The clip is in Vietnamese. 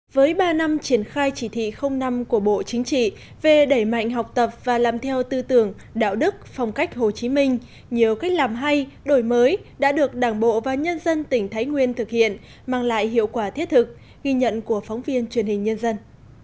với ba năm triển khai chỉ thị năm của bộ chính trị về đẩy mạnh học tập và làm theo tư tưởng đạo đức phong cách hồ chí minh nhiều cách làm hay đổi mới đã được đảng bộ và nhân dân tỉnh thái nguyên thực hiện mang lại hiệu quả thiết thực ghi nhận của phóng viên truyền hình nhân dân